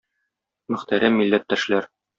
Мөхтәрәм милләттәшләр!